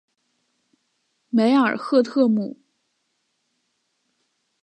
梅尔赫特姆。